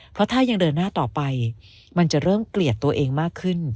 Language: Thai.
เพราะถ้ายังเดินหน้าต่อไปมันจะเริ่มเกลียดตัวเองมากขึ้น